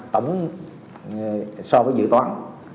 tổng so với dự toán